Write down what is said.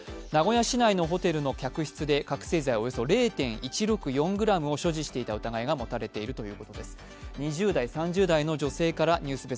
名古屋市内のホテルの客室で覚醒剤およそ０．１６４ｇを所持していた疑いが持たれているというのです。